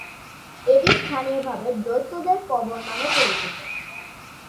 এটি স্থানীয়ভাবে " দৈত্যদের কবর" নামে পরিচিত।